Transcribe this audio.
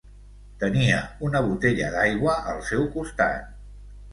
Tenia una botella d'aigua al seu costat.